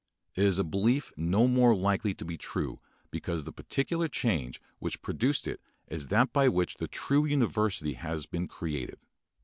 It is a belief no more likely to be true because the particular change which produced it is that by which the true university has been created.